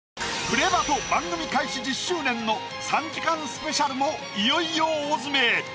『プレバト』番組開始１０周年の３時間スペシャルもいよいよ大詰め。